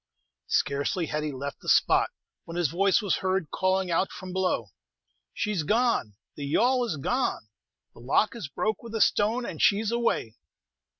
Scarcely had he left the spot, when his voice was heard calling out from below, "She's gonel the yawl is gone! the lock is broke with a stone, and she's away!"